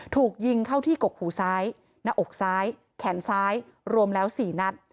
ถูกยิงเข้าที่กกหูซ้ายหน้าอกซ้ายแขนซ้ายรวมแล้ว๔นัด